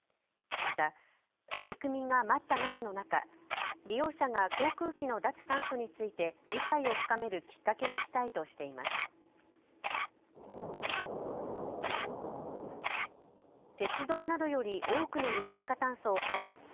また、取り組みが待ったなしの中、利用者が航空機の脱炭素について理解を深めるきっかけにしたいとしています。